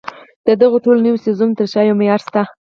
د دغو ټولو نويو څيزونو تر شا يو معيار شته.